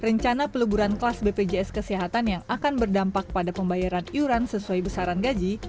rencana peleburan kelas bpjs kesehatan yang akan berdampak pada pembayaran iuran sesuai besaran gaji